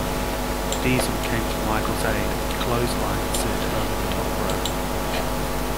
Diesel came to Michaels' aid and clotheslined Sid over the top rope.